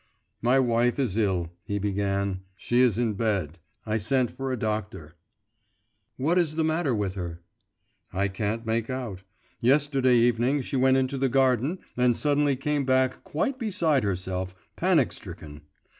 'My wife is ill,' he began; 'she is in bed; I sent for a doctor.' 'What is the matter with her?' 'I can't make out. Yesterday evening she went into the garden and suddenly came back quite beside herself, panic stricken.